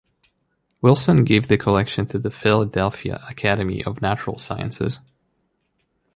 Wilson gave the collection to the Philadelphia Academy of Natural Sciences.